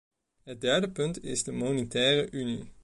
Het derde punt is de monetaire unie.